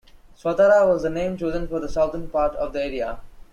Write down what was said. "Swatara" was the name chosen for the southern part of the area.